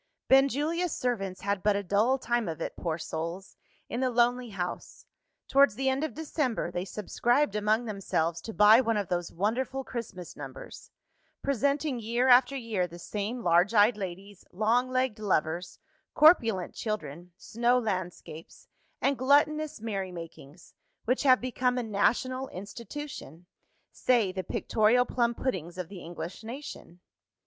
Benjulia's servants had but a dull time of it, poor souls, in the lonely house. Towards the end of December, they subscribed among themselves to buy one of those wonderful Christmas Numbers presenting year after year the same large eyed ladies, long legged lovers, corpulent children, snow landscapes, and gluttonous merry makings which have become a national institution: say, the pictorial plum puddings of the English nation.